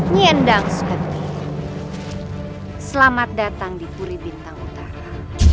nyi endang sukerti selamat datang di puri bintang utara